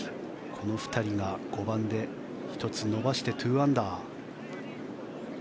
この２人が５番で１つ伸ばして２アンダー。